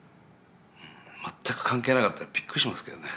全く関係なかったらびっくりしますけどね